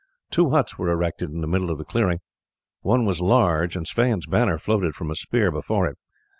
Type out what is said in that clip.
Two huts were erected in the middle of the clearing. One was large, and Sweyn's banner floated from a spear before it.